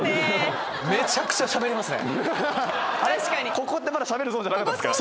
ここってまだしゃべるゾーンじゃなかったですか？